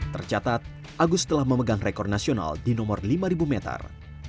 tercatat agus telah memegang rekor nasional di nomor lima meter